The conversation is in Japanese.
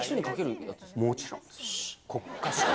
もちろん。